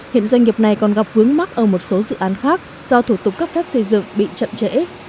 hiện doanh nghiệp này còn gặp vướng mắc ở một số dự án khác do thủ tục cấp phép xây dựng bị chậm trễ